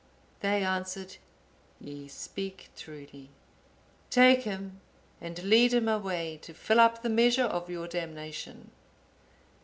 They answered, 'Ye speak truly; take him and lead him away to fill up the measure of your damnation.